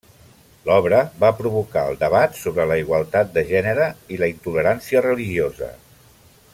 L'obra va provocar el debat sobre la igualtat de gènere i la intolerància religiosa.